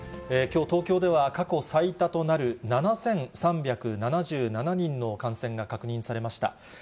きょう、東京では過去最多となる７３７７人の感染が確認されました。